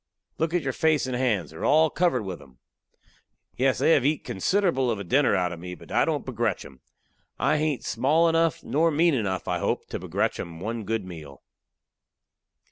"Look at your face and hands; they are all covered with 'em." "Yes, they have eat considerable of a dinner out of me, but I don't begrech 'em. I hain't small enough, nor mean enough, I hope, to begrech 'em one good meal."